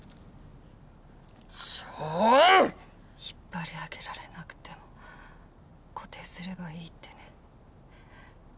引っ張り上げられなくても固定すればいいってね。